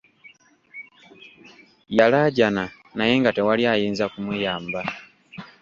Yalaajana naye nga tewali ayinza kumuyamba.